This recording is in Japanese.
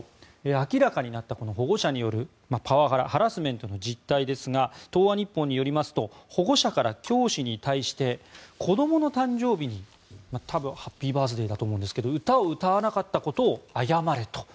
明らかになった保護者によるパワハラハラスメントの実態ですが東亜日報によりますと保護者から教師に対して子どもの誕生日に多分「ハッピーバースデー」だと思うんですけど歌を歌わなかったことを謝れと。